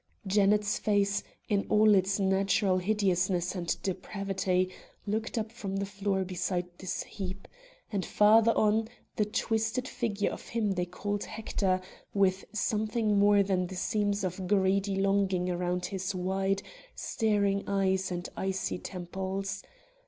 Janet's face, in all its natural hideousness and depravity, looked up from the floor beside this heap; and farther on, the twisted figure of him they called Hector, with something more than the seams of greedy longing round his wide, staring eyes and icy temples.